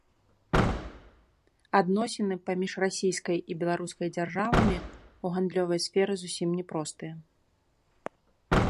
Адносіны паміж расійскай і беларускай дзяржавамі ў гандлёвай сферы зусім не простыя.